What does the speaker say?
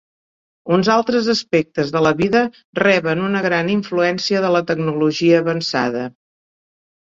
Uns altres aspectes de la vida reben una gran influència de la tecnologia avançada.